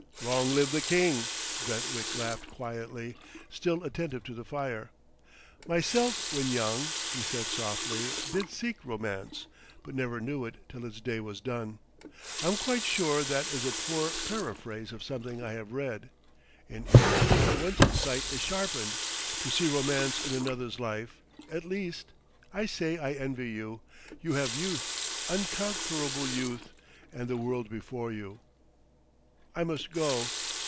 "Long live the King!" Brentwick laughed quietly, still attentive to the fire. "Myself when young," he said softly, "did seek Romance, but never knew it till its day was done. I'm quite sure that is a poor paraphrase of something I have read. In age, one's sight is sharpened to see Romance in another's life, at least. I say I envy you. You have Youth, unconquerable Youth, and the world before you.... I must go."